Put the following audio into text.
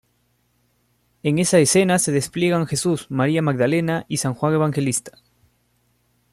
En esa escena se despliegan Jesús, María Magdalena y San Juan Evangelista.